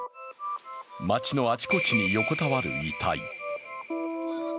街のあちこちに横たわる遺体。